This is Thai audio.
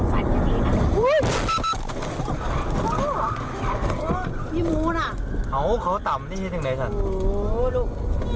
มีมูลอ่ะเขาเขาต่ำนี่ที่ตึงในฉันโอ้โหลูก